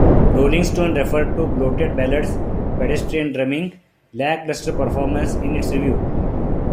"Rolling Stone" referred to "bloated ballads," "pedestrian drumming" and "lackluster performances" in its review.